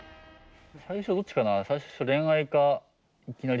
最初どっちかな？